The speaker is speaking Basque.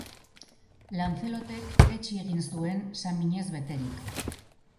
Lancelotek etsi egin zuen, saminez beterik.